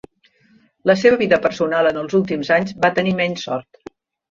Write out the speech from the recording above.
La seva vida personal en els últims anys va tenir menys sort.